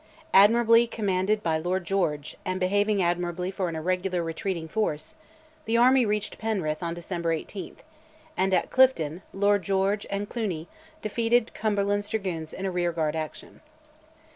Admirably commanded by Lord George, and behaving admirably for an irregular retreating force, the army reached Penrith on December 18, and at Clifton, Lord George and Cluny defeated Cumberland's dragoons in a rearguard action.